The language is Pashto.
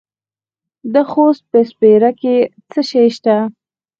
د خوست په سپیره کې څه شی شته؟